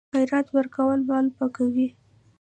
خیرات ورکول مال پاکوي.